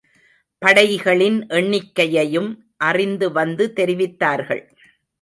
படைகளின் எண்ணிக்கையையும் அறிந்து வந்து தெரிவித்தார்கள்.